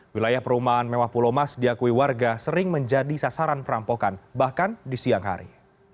wilayah perumahan mewah pulau mas diakui warga sering menjadi sasaran perampokan bahkan di siang hari